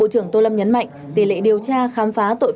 trong năm hai nghìn hai mươi một